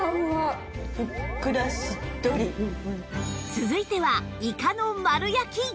続いてはイカの丸焼き